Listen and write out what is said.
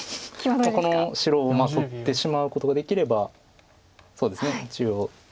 この白を取ってしまうことができればそうですね一応。